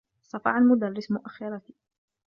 صفع المدرّس مؤخّرتي.